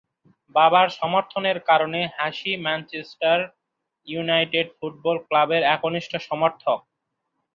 বাবার সমর্থনের কারণে হাসি ম্যানচেস্টার ইউনাইটেড ফুটবল ক্লাবের একনিষ্ঠ সমর্থক।